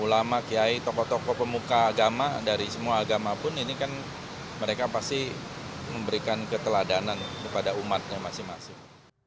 ulama kiai tokoh tokoh pemuka agama dari semua agama pun ini kan mereka pasti memberikan keteladanan kepada umatnya masing masing